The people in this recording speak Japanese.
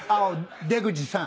出口さん